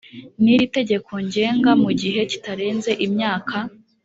n iri tegeko ngenga mu gihe kitarenze imyaka